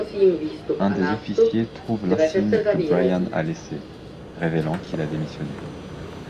Un des officiers trouve l'insigne que Brian a laissé, révélant qu'il a démissionné...